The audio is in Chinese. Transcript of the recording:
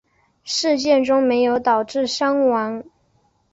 事件中没有导致伤亡。